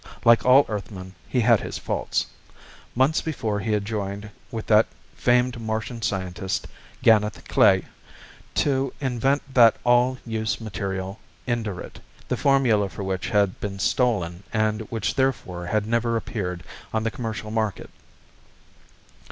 Like all Earthmen, he had his faults. Months before he had joined with that famed Martian scientist, Ganeth Klae, to invent that all use material, Indurate, the formula for which had been stolen and which therefore had never appeared on the commercial market.